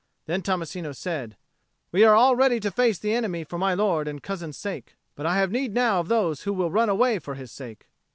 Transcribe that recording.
Then Tommasino said, "We are all ready to face the enemy for my lord and cousin's sake. But I have need now of those who will run away for his sake."